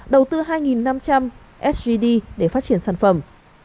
đầu tư hai năm trăm linh sgd để phát triển sản phẩm